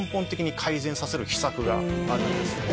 があるんです。